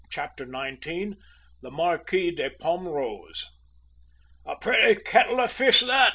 CHAPTER NINETEEN. THE "MARQUIS DE POMME ROSE." "A pretty kettle of fish that!"